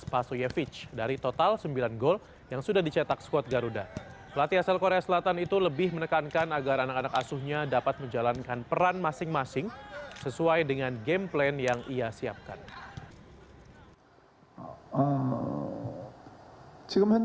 pemimpin korea selatan lebih menekankan agar anak anak asuhnya dapat menjalankan peran masing masing sesuai dengan game plan yang ia siapkan